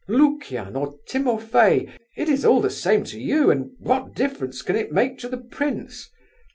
Lukian or Timofey, it is all the same to you, and what difference can it make to the prince?